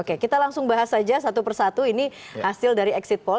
oke kita langsung bahas saja satu persatu ini hasil dari exit pol